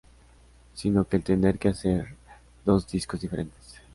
sino que el tener que hacer dos discos diferentes